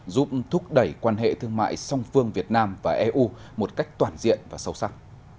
giúp thúc đẩy quan hệ thương mại song phương việt nam và eu một cách toàn diện và sâu sắc